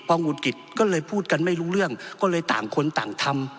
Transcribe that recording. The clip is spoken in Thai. พอหงุดหงิดก็เลยพูดกันไม่รู้เรื่องก็เลยต่างคนต่างทำ